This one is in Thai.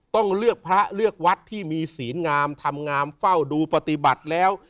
ต้องเลือกพระเลือกวัดที่มีศีลงามทำงามเฝ้าดูปฏิบัติแล้ว